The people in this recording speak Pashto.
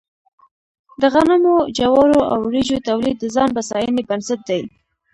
د غنمو، جوارو او وريجو تولید د ځان بسیاینې بنسټ دی.